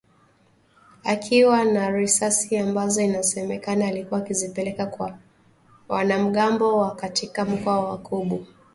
akiwa na risasi ambazo inasemekana alikuwa akizipeleka kwa wanamgambo wa katika mkoa wa Kobu